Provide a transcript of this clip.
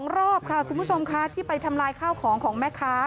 รอบค่ะคุณผู้ชมค่ะที่ไปทำลายข้าวของของแม่ค้า